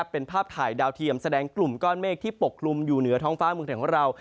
เป็นภาพถ่ายดาวเทียมแสดงกลุ่มก้อนเมฆที่ปกคลุมอยู่เหนือท้องฟ้าเมืองไทยของเรา